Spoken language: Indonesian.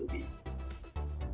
baik baik seka pamiko